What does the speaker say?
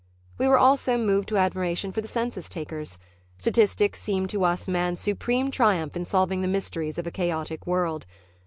We were also moved to admiration for the census takers. Statistics seem to us man's supreme triumph in solving the mysteries of a chaotic world.